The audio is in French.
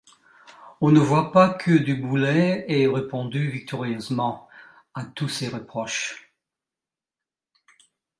On ne voit pas que du Boulay ait répondu victorieusement, à tous ces reproches.